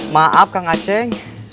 maaf kang aceh